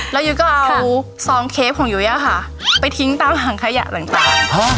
แล้วยุ้ยก็เอาซองเคฟของยุ้ยค่ะไปทิ้งตามหาขยะต่าง